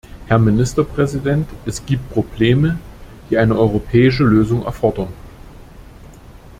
Herr Ministerpräsident, es gibt Probleme, die eine europäische Lösung erfordern.